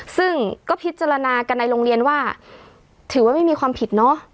ซึ่งก็พิจารณากันในโรงเรียนว่าถือว่าไม่มีความผิดเนอะ